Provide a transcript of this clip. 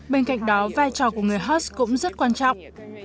bên cạnh đó vai trò của người host cũng rất quan trọng